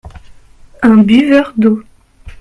Un buveur d’eau.